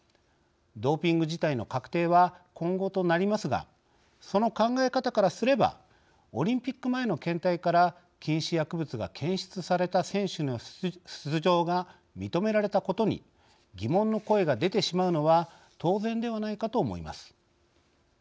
ドーピング自体の確定は今後となりますがその考え方からすればオリンピック前の検体から禁止薬物が検出された選手の出場が認められたことに疑問の声が出てしまうのは当然ではないかと思います。